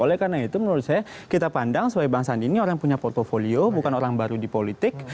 oleh karena itu menurut saya kita pandang sebagai bang sandi ini orang yang punya portfolio bukan orang baru di politik